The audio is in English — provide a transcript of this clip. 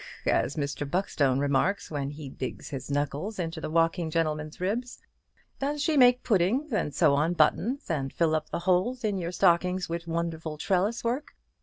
K k c k k! as Mr. Buckstone remarks when he digs his knuckles into the walking gentleman's ribs. Does she make puddings, and sew on buttons, and fill up the holes in your stockings with wonderful trellis work?